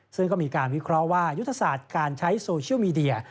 ซึ่งก็มีการวิเคราะห์ว่ายุทธศาสตร์การใช้โซเชียลมีเดีย